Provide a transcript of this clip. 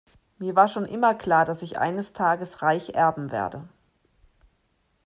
Mir war schon immer klar, dass ich eines Tages reich erben werde.